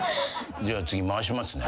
じゃ次回しますね。